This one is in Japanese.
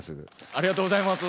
ありがとうございます。